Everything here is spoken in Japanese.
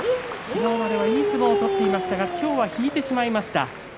昨日まではいい相撲を取っていましたが今日は引いてしまいました。